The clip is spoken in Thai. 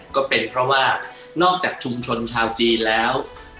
ก็เป็นเพราะว่านอกจากชุมชนชาวจีนแล้ว